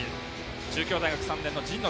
中京大学３年の神野。